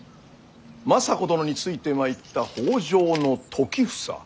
政子殿についてまいった北条時房。